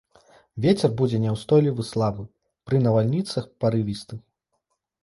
Вецер будзе няўстойлівы слабы, пры навальніцах парывісты.